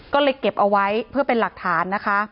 ก็เลยเก็บเอาไว้เพื่อเป็นหลักฐานนะคะ